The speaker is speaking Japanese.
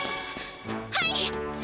はい！